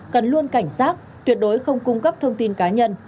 cần luôn cảnh giác tuyệt đối không cung cấp thông tin cá nhân